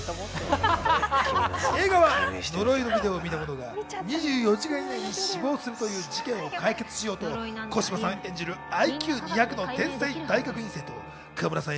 映画は呪いのビデオを見たものが２４時間以内に死亡するという事件を解決しようと小芝さん演じるＩＱ２００の天才大学院生と川村さん